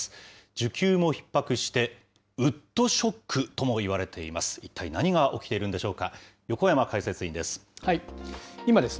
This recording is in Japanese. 需給もひっ迫して、ウッドショックともいわれています。